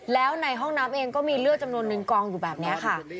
แล้วในห้องน้ำเองก็มีเลือดจำนวนนึงกองอยู่แบบนี้ค่ะ